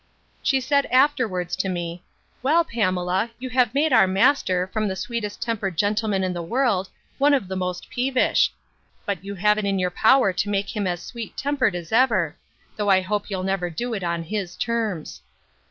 She said afterwards to me, Well, Pamela, you have made our master, from the sweetest tempered gentleman in the world, one of the most peevish. But you have it in your power to make him as sweet tempered as ever; though I hope you'll never do it on his terms.